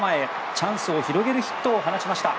チャンスを広げるヒットを放ちました。